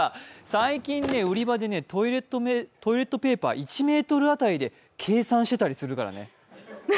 最近、売り場でトイレットペーパー１ｍ当たりで計算してたりするからね。